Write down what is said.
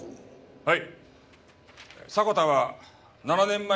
はい。